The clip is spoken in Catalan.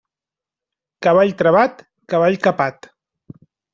Cavall travat, cavall capat.